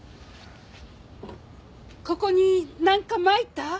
ここになんかまいた？